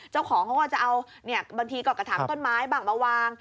เจ้าของเขาก็จะเอาบางทีก็กระถางต้นไม้บ้างมาวาง